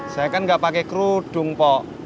saya kan gak pake kerudung pok